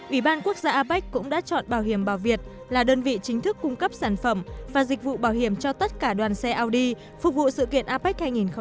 ủy ban quốc gia apec cũng đã chọn bảo hiểm bảo việt là đơn vị chính thức cung cấp sản phẩm và dịch vụ bảo hiểm cho tất cả đoàn xe ld phục vụ sự kiện apec hai nghìn hai mươi